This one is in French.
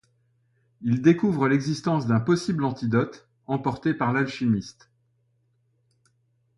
Il découvrent l’existence d’un possible antidote emporté par l’alchimiste.